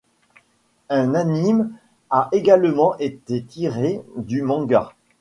Un anime a également été tiré du manga.